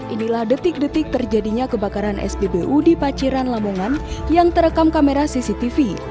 inilah detik detik terjadinya kebakaran spbu di paciran lamongan yang terekam kamera cctv